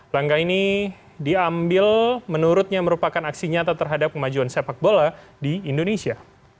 langkah ini diambil menurutnya merupakan aksi nyata terhadap kemajuan sepak bola di indonesia